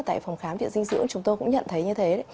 tại phòng khám viện dinh dưỡng chúng tôi cũng nhận thấy như thế